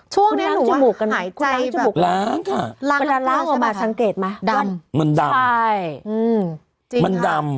ช่วงนี้หายใจแบบล้างค่ะล้างล้างออกมาสังเกตไหมดำมันดำใช่อืมจริงค่ะมันดำ